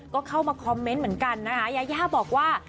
ก็เข้ามาคอมเมนต์เหมือนกันยาวบอกว่า